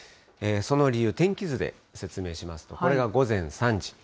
その理由、天気図で説明しますと、これが午前３時。